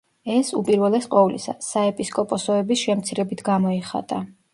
ეს, უპირველეს ყოვლისა, საეპისკოპოსოების შემცირებით გამოიხატა.